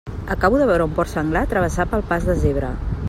Acabo de veure un porc senglar travessar pel pas de zebra.